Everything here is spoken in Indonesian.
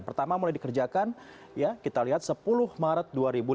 pertama mulai dikerjakan ya kita lihat sepuluh maret dua ribu lima belas